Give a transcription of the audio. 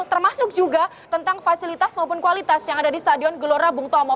termasuk juga tentang fasilitas maupun kualitas yang ada di stadion gelora bung tomo